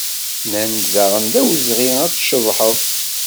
Nnan-d daɣen d awezɣi ad tceḍḥeḍ.